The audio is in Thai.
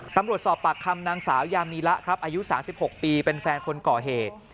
ตำรวจสอบปากคำนางสาวยามีละครับอายุ๓๖ปีเป็นแฟนคนก่อเหตุ